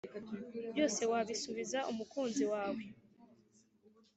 byose wabisubiza umukunzi wawe